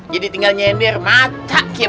jadi tinggal nyender mata